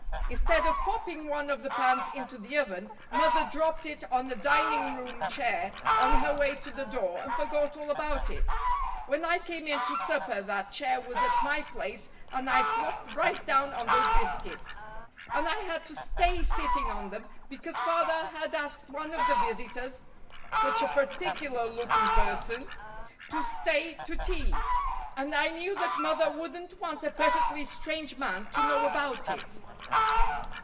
Instead of popping one of the pans into the oven, mother dropped it on a dining room chair on her way to the door and forgot all about it. When I came in to supper that chair was at my place and I flopped right down on those biscuits! And I had to stay sitting on them because Father had asked one of the visitors such a particular looking person to stay to tea; and I knew that Mother wouldn't want a perfectly strange man to know about it."